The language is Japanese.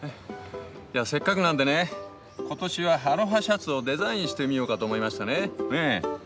せっかくなんでね今年はアロハシャツをデザインしてみようかと思いましてね。